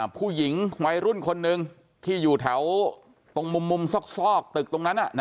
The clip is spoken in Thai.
ผู้หญิงวัยรุ่นคนหนึ่งที่อยู่แถวตรงมุมซอกตึกตรงนั้น